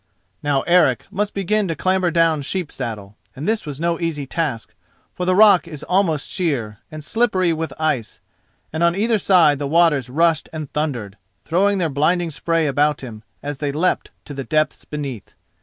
Now Eric must begin to clamber down Sheep saddle, and this was no easy task, for the rock is almost sheer, and slippery with ice, and on either side the waters rushed and thundered, throwing their blinding spray about him as they leapt to the depths beneath.